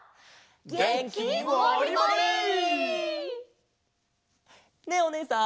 げんきモリモリ！ねえおねえさん。